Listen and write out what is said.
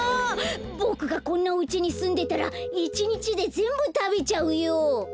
ボクがこんなおうちにすんでたらいちにちでぜんぶたべちゃうよ。